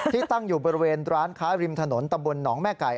ตั้งอยู่บริเวณร้านค้าริมถนนตำบลหนองแม่ไก่